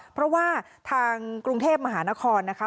เพราะว่าทางกรุงเทพมหานครนะคะ